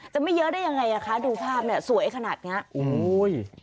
จะไม่เยอะได้ยังไงอ่ะคะสวยขนาดนี้